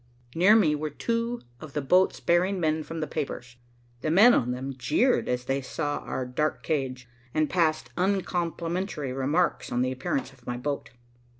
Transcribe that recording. Near me were two of the boats bearing men from the papers. The men on them jeered as they saw our dark cage, and passed uncomplimentary remarks on the appearance of my boat.